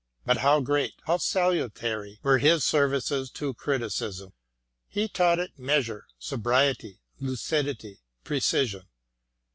But how great, how salutary were his services to criticism. He taught it measure, sobriety, lucidity, precision.